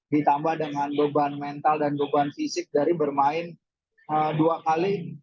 ditambah dengan beban mental dan beban fisik dari bermain dua kali